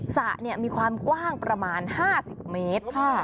สระมีความกว้างประมาณ๕๐เมตร